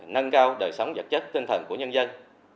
nâng cao đời sống vật chất tinh thần của nhân dân